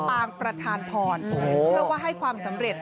ปางประธานพรเชื่อว่าให้ความสำเร็จ